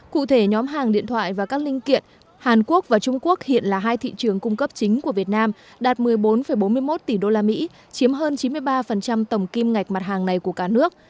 cụ thể nhóm hàng điện thoại và các linh kiện hàn quốc và trung quốc hiện là hai thị trường cung cấp chính của việt nam đạt một mươi bốn bốn mươi một tỷ usd chiếm hơn chín mươi ba tổng kim ngạch mặt hàng này của cả nước